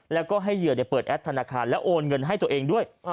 แล้วก็ให้เหยื่อเปิดแอปธนาคารแล้วโอนเงินให้ตัวเองด้วย